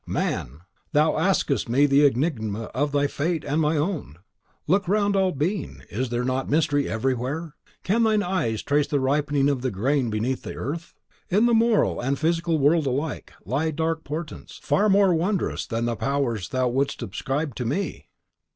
Man! thou askest me the enigma of thy fate and my own! Look round all being, is there not mystery everywhere? Can thine eye trace the ripening of the grain beneath the earth? In the moral and the physical world alike, lie dark portents, far more wondrous than the powers thou wouldst ascribe to me!"